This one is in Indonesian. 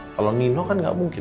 kalau nino kan nggak mungkin